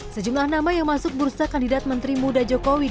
sejumlah nama yang masuk bursa kandidat menteri muda jokowi